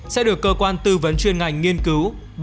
sẽ được cơ quan tư vấn chuyên ngành nghiên cứu